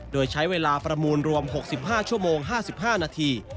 โดยใช้เวลาประมูลรวม๖๕ชั่วโมง๕๕นาที